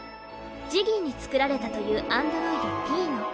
ジギーに造られたというアンドロイドピーノ。